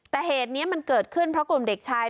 แต่เหตุนี้มันเกิดขึ้นเพราะกลุ่มเด็กชาย